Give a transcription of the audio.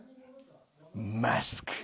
『マスク』。